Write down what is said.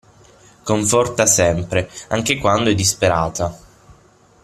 Conforta sempre, anche quando è disperata.